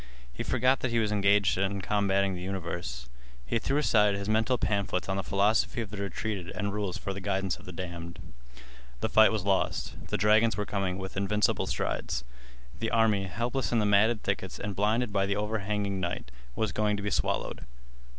He forgot that he was engaged in combating the universe. He threw aside his mental pamphlets on the philosophy of the retreated and rules for the guidance of the damned. The fight was lost. The dragons were coming with invincible strides. The army, helpless in the matted thickets and blinded by the overhanging night, was going to be swallowed.